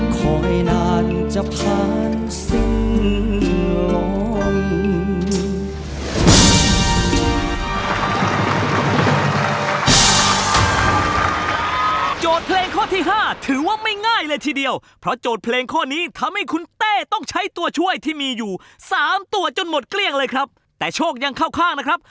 เพราะใจที่ทรมานขอให้นานจะผ่านสิ้นหล่ม